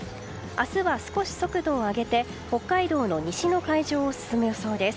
明日は少し速度を上げて北海道の西の海上を進む予想です。